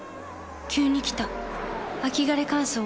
急に来た秋枯れ乾燥。